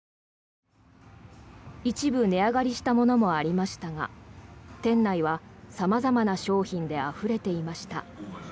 一部、値上がりしたものもありましたが店内は様々な商品であふれていました。